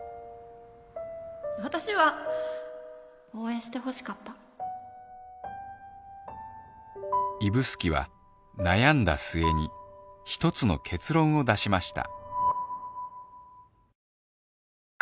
私は応援してほしかった指宿は悩んだ末にひとつの結論を出しました